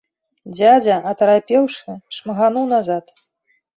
Дзядзя, атарапеўшы, шмыгануў назад.